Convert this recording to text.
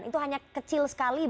itu hanya kecil sekali